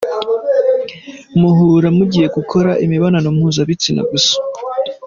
Muhura mugiye gukora imibanano mpuzabitsina gusa.